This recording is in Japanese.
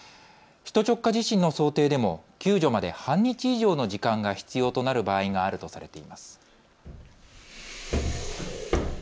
首都直下地震の想定でも救助まで半日以上の時間が必要となる場合があるとされています。